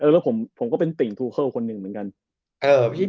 แล้วผมก็เป็นติ่งทูเคอร์คนหนึ่งเหมือนกัน